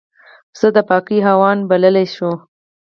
پسه د پاکۍ حیوان بلل شوی.